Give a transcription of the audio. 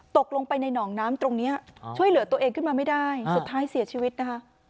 ตกลงไปในหนองน้ำตรงนี้ช่วยเหลือตัวเองขึ้นมาไม่ได้สุดท้ายเสียชีวิตนะคะ